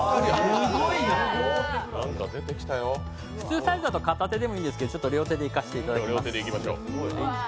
普通サイズだと片手でもいいんですけど、今日は両手でいかせていただきます。